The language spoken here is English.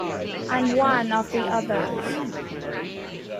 I’m one of the others.